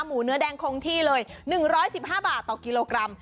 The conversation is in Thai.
หมูเนื้อแดงคงที่เลย๑๑๕บาทต่อกิโลกรัม